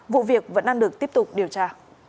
vụ việc vẫn đang được tiếp tục điều tra